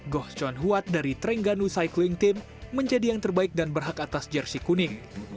goch john huat dari trengganu cycling team menjadi yang terbaik dan berhak atas jersi kuning